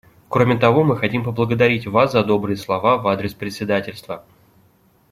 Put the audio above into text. Кроме того, мы хотим поблагодарить Вас за добрые слова в адрес председательства.